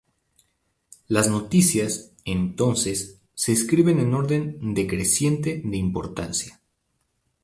Las noticias, entonces, se escriben en orden decreciente de importancia.